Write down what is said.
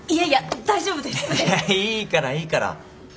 いやいいからいいから。